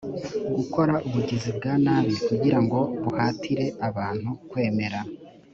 gukora ubugizi bwa nabi kugira ngo buhatire abantu kwemera